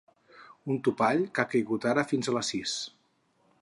Un topall que ha caigut ara fins a les sis.